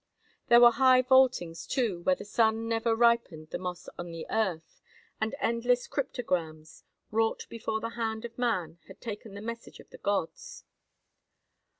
There were high vaultings, too, where the sun never ripened the moss on the earth, and endless cryptograms wrought before the hand of man had taken the message of the gods.